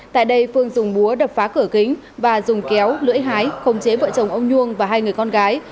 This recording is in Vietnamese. tại đây phương dùng búa đập phá cửa kính và dùng kéo lưỡi hái khống chế vợ chồng ông nhung và hai người con gái